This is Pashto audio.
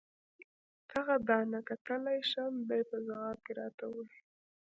دغه دانه کتلای شم؟ دې په ځواب کې راته وویل.